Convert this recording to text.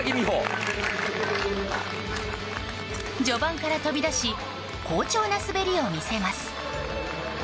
序盤から飛び出し好調な滑りを見せます。